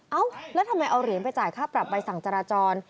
เอ้าแล้วทำไมเอาเหรียญไปจ่ายค่าปรับใบสั่งจราจร